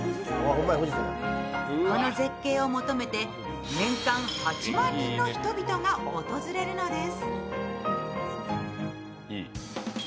この絶景を求めて年間８万人の人々が訪れるのです。